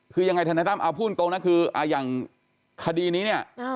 คือยังไงธนายตั้มเอาพูดตรงนะคืออย่างคดีนี้เนี่ย